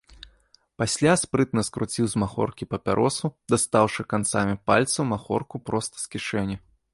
Пасля спрытна скруціў з махоркі папяросу, дастаўшы канцамі пальцаў махорку проста з кішэні.